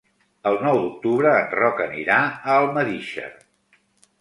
El nou d'octubre en Roc anirà a Almedíxer.